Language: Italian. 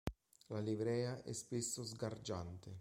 La livrea è spesso sgargiante.